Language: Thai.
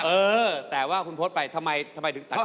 เออแต่ว่าคุณพศไปทำไมถึงตัดคุณพศ